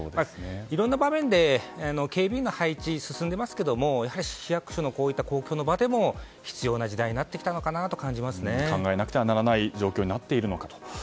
いろんな場面で警備員の配置、進んでいますが役所のこういった公共の場でも必要な時代になってきたと考えなくてはいけない状況になってきたと。